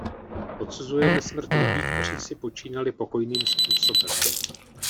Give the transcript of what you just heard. Odsuzujeme smrt lidí, kteří si počínali pokojným způsobem.